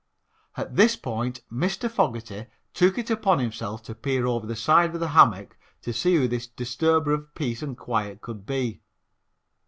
At this point Mr. Fogerty took it upon himself to peer over the side of the hammock to see who this disturber of peace and quiet could be.